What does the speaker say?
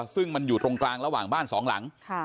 ซึ่งมันอยู่ตรงกลางระหว่างบ้านสองหลัง